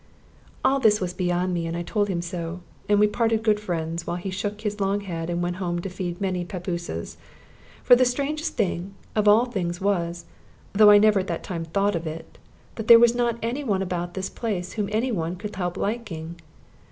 All this was beyond me, and I told him so, and we parted good friends, while he shook his long head and went home to feed many pappooses. For the strangest thing of all things was, though I never at that time thought of it, that there was not any one about this place whom any one could help liking.